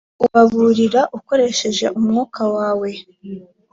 ubaburira ukoresheje umwuka wawe